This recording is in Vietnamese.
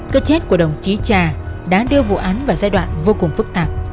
cái chết của đồng chí trà đã đưa vụ án vào giai đoạn vô cùng phức tạp